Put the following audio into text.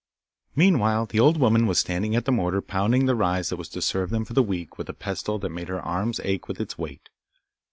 Meanwhile the old woman was standing at the mortar pounding the rise that was to serve them for the week with a pestle that made her arms ache with its weight.